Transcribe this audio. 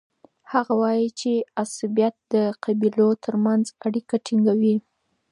هغه وایي چي عصبيت د قبیلو ترمنځ اړیکه ټینګوي.